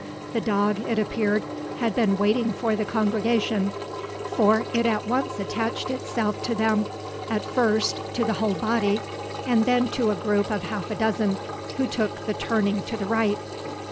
The dog, it appeared, had been waiting for the congregation; for it at once attached itself to them, at first to the whole body, and then to a group of half a dozen who took the turning to the right.